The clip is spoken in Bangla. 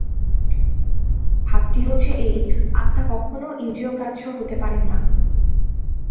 ভাবটি হচ্ছে এই, আত্মা কখনও ইন্দ্রিয়গ্রাহ্য হতে পারেন না।